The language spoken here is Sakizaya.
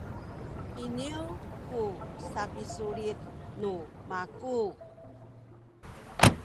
iniyu ku sapisulit nu maku